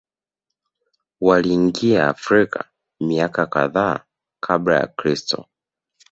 Waliingia Afrika miaka kadhaa Kabla ya Kristo